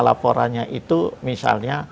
laporannya itu misalnya